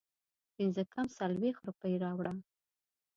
پنځه کم څلوېښت روپۍ راوړه